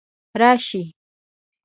راشي